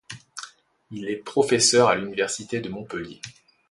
Il est professeur à l'université de Montpellier.